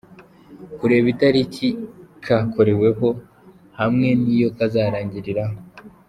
Kureba itariki kakoreweho hamwe n’iyo kazarangiriraho.